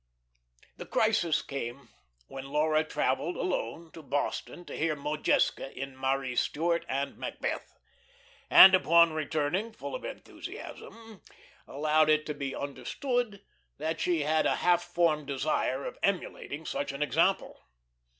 The crisis came when Laura travelled alone to Boston to hear Modjeska in "Marie Stuart" and "Macbeth," and upon returning full of enthusiasm, allowed it to be understood that she had a half formed desire of emulating such an example.